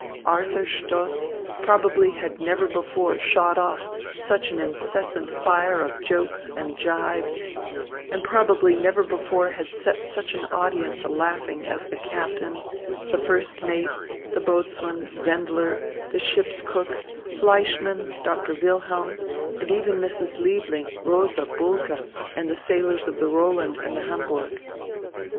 Arthur Stoss probably had never before shot off such an incessant fire of jokes and jibes, and probably never before had set such an audience a laughing as the captain, the first mate, the boatswain, Wendler, the ship's cook, Fleischmann, Doctor Wilhelm, and even Mrs. Liebling, Rosa, Bulke, and the sailors of the Roland and the Hamburg.